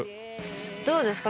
どうですか？